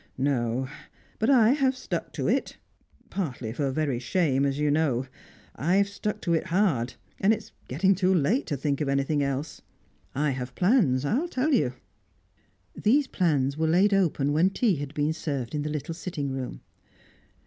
No. But I have stuck to it partly for very shame, as you know. I've stuck to it hard, and it's getting too late to think of anything else. I have plans; I'll tell you." These plans were laid open when tea had been served in the little sitting room.